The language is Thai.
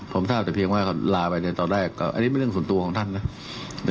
ผมทราบแต่เพียงว่าลาไปในตอนแรกอันนี้เป็นเรื่องส่วนตัวของท่านนะ